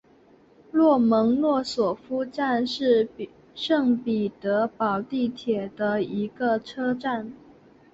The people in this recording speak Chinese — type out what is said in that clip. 洛蒙诺索夫站是圣彼得堡地铁的一个车站。